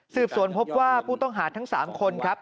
สืบสวนพบว่าผู้ต้องหาทั้ง๓คนครับ